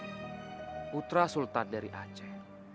putra sultan dari aceh